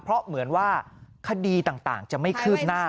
เพราะเหมือนว่าคดีต่างจะไม่คืบหน้า